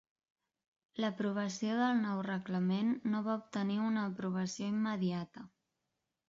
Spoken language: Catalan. L'aprovació del nou reglament no va obtenir una aprovació immediata.